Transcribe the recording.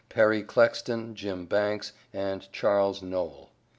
PERRY CLEXTON, JIM BANKS AND CHARLES NOLE.